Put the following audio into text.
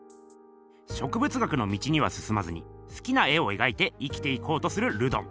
植物学の道にはすすまずに好きな絵を描いて生きていこうとするルドン。